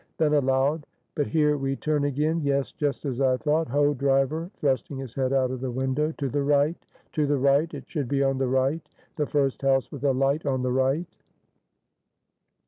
Then aloud "But here we turn again; yes, just as I thought. Ho, driver!" (thrusting his head out of the window) "to the right! to the right! it should be on the right! the first house with a light on the right!"